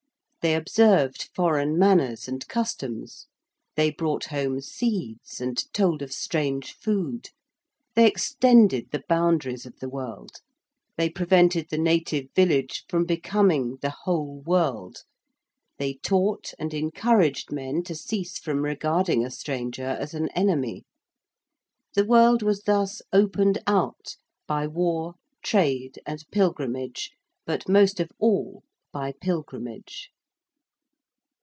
They observed foreign manners and customs: they brought home seeds and told of strange food: they extended the boundaries of the world: they prevented the native village from becoming the whole world: they taught and encouraged men to cease from regarding a stranger as an enemy. The world was thus opened out by War, Trade, and Pilgrimage, but most of all by Pilgrimage.